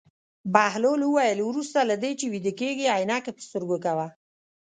بهلول وویل: وروسته له دې چې ویده کېږې عینکې په سترګو کوه.